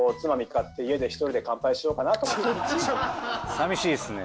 さみしいっすね。